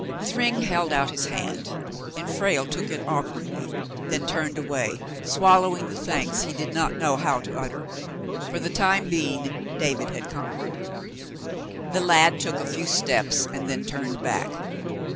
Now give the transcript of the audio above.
Thryng held out his hand, and Frale took it awk wardly, then turned away, swallowing the thanks he did not know how to utter. For the time being, David had conquered. ' The lad took a few steps and then turned back.